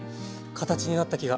形になった気が。